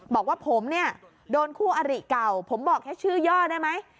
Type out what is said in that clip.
บอกว่าผมเนี่ยโดนคู่อริเก่าผมบอกแค่ชื่อย่อได้ไหม